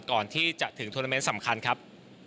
ก่อนที่จะถึงโทรเมนต์สำคัญครับ